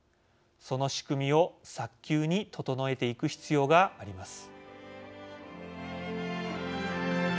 その仕組みを早急に整えていく必要があります。